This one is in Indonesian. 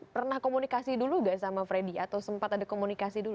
pernah komunikasi dulu gak sama freddy atau sempat ada komunikasi dulu